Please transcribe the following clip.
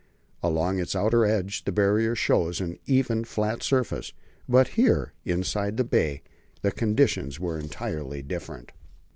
Along its outer edge the Barrier shows an even, flat surface; but here, inside the bay, the conditions were entirely different.